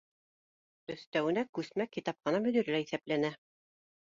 Өҫтәүенә күсмә китапхана мөдире лә иҫәпләнә